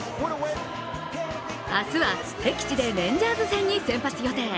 明日は敵地でレンジャーズ戦に先発予定。